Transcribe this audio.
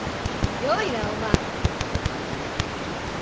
よいなお万。